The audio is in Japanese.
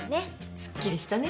すっきりしたね？